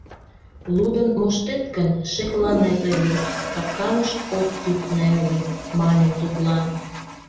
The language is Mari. — Лудын моштет гын, шекланет ыле, капканыш от тӱкнӧ ыле, — маньым тудлан.